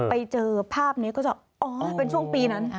ไปเจอภาพนี้ก็จะอ๋อเป็นช่วงปีนั้น